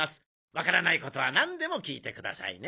わからないことはなんでも聞いてくださいね。